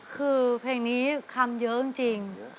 คือเพลงนี้คำเยอะจริง